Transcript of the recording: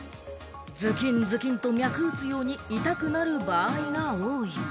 ズキンズキンと脈打つように痛くなる場合が多い。